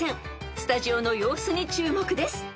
［スタジオの様子に注目です］